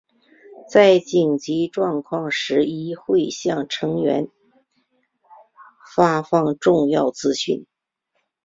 在紧急状况时亦会向乘客发放重要讯息。